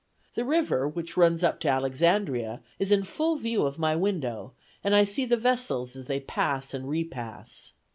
The river, which runs up to Alexandria, is in full view of my window, and I see the vessels as they pass and repass.